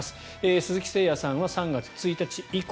鈴木誠也さんは３月１日以降。